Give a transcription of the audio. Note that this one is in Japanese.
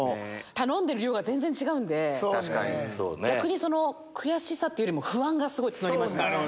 頼んでる量が全然違うんで逆に悔しさっていうよりも不安がすごい募りました。